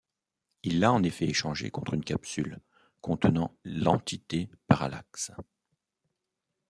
Il l'a en effet échangée contre une capsule contenant l'entité Parallax.